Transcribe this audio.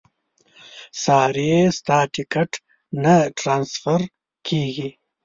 ساري ستا ټیکټ نه ټرانسفر کېږي.